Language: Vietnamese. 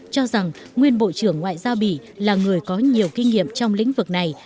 cho rằng nguyên bộ trưởng ngoại giao bỉ là người có nhiều kinh nghiệm trong lĩnh vực này